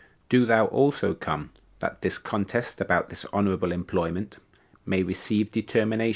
Do thou also come, that this contest about this honorable employment may receive determination.